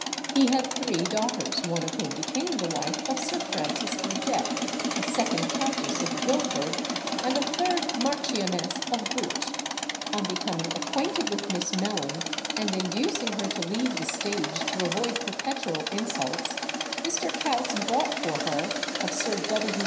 He had three daughters, one of whom became the wife of Sir Francis Burdett, a second Countess of Guilford, and a third Marchioness of Bute. On becoming acquainted with Miss Mellon, and inducing her to leave the stage to avoid perpetual insults, Mr. Coutts bought for her of Sir W.